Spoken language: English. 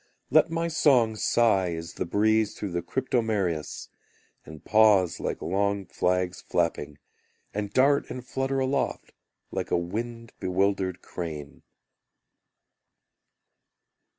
Let my song sigh as the breeze through the cryptomerias, And pause like long flags flapping, And dart and flutter aloft, like a wind bewildered crane.